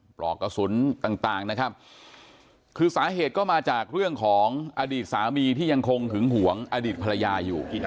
ปลอกกระสุนต่างนะครับคือสาเหตุก็มาจากเรื่องของอดีตสามีที่ยังคงหึงหวงอดีตภรรยาอยู่